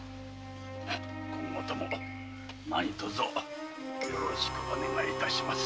今後とも何とぞよろしくお願い致します。